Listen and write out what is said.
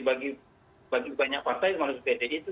bagi banyak partai termasuk pdi itu